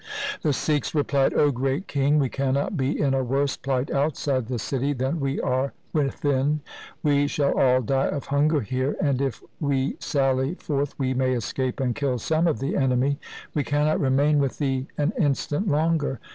The Sikhs replied, ' O great king, we cannot be in a worse plight outside the city than we are within. We shall all die of hunger here, and if we sally forth we may escape and kill some of the enemy. We cannot remain with thee an instant longer.'